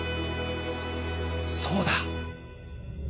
そうだ！